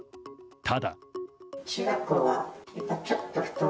ただ。